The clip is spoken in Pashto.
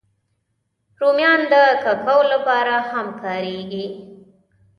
رومیان د کوکو لپاره هم کارېږي